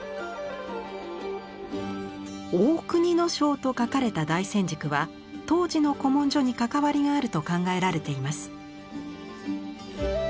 「大國庄」と書かれた題箋軸は東寺の古文書に関わりがあると考えられています。